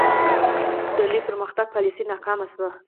د لوی پرمختګ پالیسي ناکامه شوه.